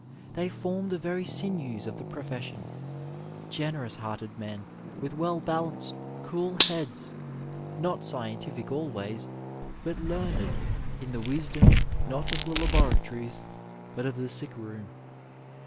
They form the very sinews of the profession — generous hearted men, with well balanced, cool heads, not scientific always, but learned in the wisdom not of the laboratories but of the sick room.